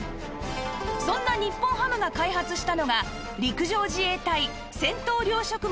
そんな日本ハムが開発したのが陸上自衛隊戦闘糧食モデル防災食